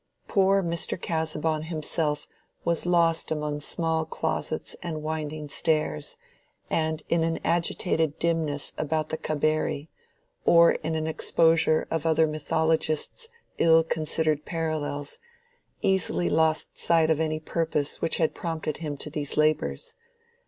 Poor Mr. Casaubon himself was lost among small closets and winding stairs, and in an agitated dimness about the Cabeiri, or in an exposure of other mythologists' ill considered parallels, easily lost sight of any purpose which had prompted him to these labors.